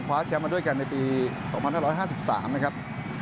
แชมป์มาด้วยกันในปี๒๕๕๓นะครับ